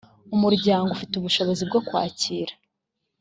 umuryango ufite ubushobozi bwo kwakira